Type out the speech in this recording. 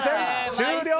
終了！